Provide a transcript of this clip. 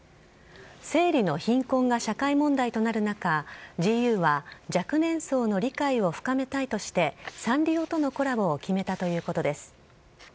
生理の貧困が社会問題となる中、ジーユーは、若年層の理解を深めたいとして、サンリオとのコラボを決めたということです。